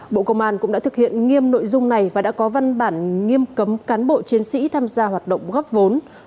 bộ công an cũng đã thực hiện nghiêm nội dung này và đã có văn bản nghiêm cấm cán bộ chiến sĩ tham gia hoạt động góp vốn